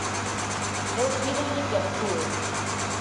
Eu pídolle que actúe.